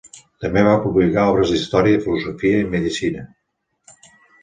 També va publicar obres d'història, filosofia i medecina.